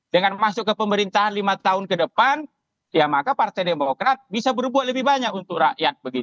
dengan masuk ke pemerintahan lima tahun ke depan ya maka partai demokrat bisa berbuat lebih banyak untuk rakyat